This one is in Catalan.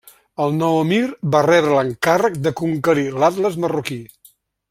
El nou emir va rebre l'encàrrec de conquerir l'Atles marroquí.